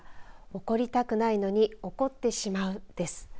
怒りたくないのに怒ってしまうです。